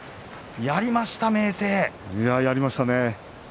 やあ、やりましたね